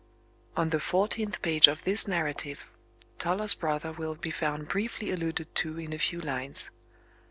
On the fourteenth page of this narrative Toller's brother will be found briefly alluded to in a few lines.